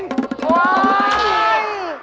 โอ๊ย